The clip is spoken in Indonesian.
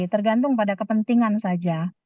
tergantung pada kepentingan saja